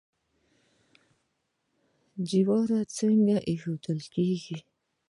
جوار څنګه ایښودل کیږي؟